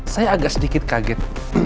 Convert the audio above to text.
saya agak sedikit kaget